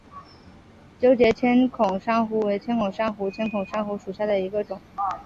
纠结千孔珊瑚为千孔珊瑚科千孔珊瑚属下的一个种。